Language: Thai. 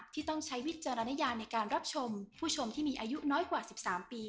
ต้องใช้วิจารณญาณในการรับชมผู้ชมที่มีอายุน้อยกว่า๑๓ปี